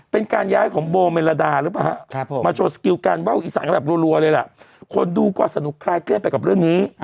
เป็นการย้ายของโบเมลดาหรือเปล่าฮะมาโชว์สกิลการว่าวอีสานกันแบบรัวเลยล่ะคนดูก็สนุกคลายเครียดไปกับเรื่องนี้